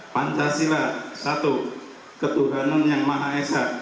pancasila satu ketuhanan yang maha esa